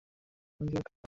আমি নিজেই তো একটা কামান।